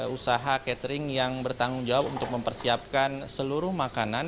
usaha catering yang bertanggung jawab untuk mempersiapkan seluruh makanan